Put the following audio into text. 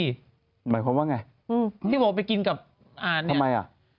หมายความว่ายังไง